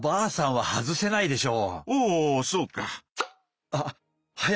おおそうか。